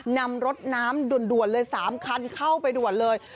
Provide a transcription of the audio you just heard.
นำรถน้ำด่วนเลย๓คันเข้าไปด่วนเลย